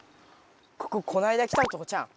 こここないだ来たとこちゃうん？